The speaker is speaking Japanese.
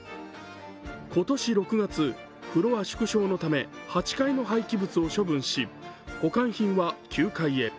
今年６月、フロア縮小のため８階の廃棄物を処分し保管品は９階へ。